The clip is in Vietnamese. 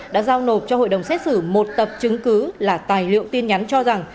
đã giao nộp cho hội đồng xét xử một tập chứng cứ là tài liệu tin nhắn cho rằng